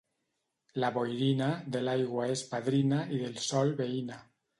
La boirina, de l'aigua és padrina i del sol veïna.